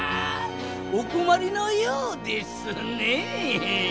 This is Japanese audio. おこまりのようですねぇ！